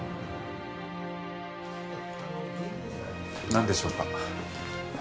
なんでしょうか。